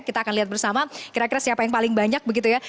kita akan lihat bersama kira kira siapa yang paling banyak begitu ya